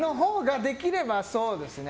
できればそうですね。